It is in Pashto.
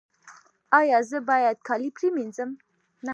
ایا زه باید کالي پریمنځم؟